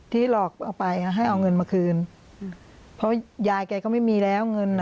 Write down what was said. หลอกเอาไปให้เอาเงินมาคืนเพราะยายแกก็ไม่มีแล้วเงินอ่ะ